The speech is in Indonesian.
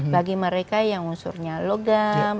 bagi mereka yang unsurnya logam